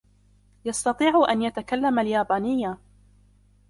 يستطيع أن يتكلم اليابانية.